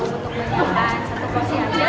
untuk penyihkan satu porsi aja